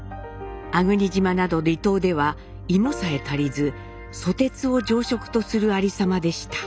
粟国島など離島では芋さえ足りずソテツを常食とするありさまでした。